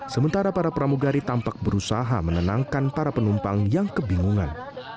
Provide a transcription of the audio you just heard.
sementara para pramugari tampak berusaha menenangkan para penumpang yang kebingungan